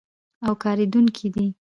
او کارېدونکی دی.